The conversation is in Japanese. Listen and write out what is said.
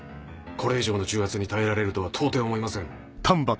これ以上の重圧に耐えられるとは到底思えません。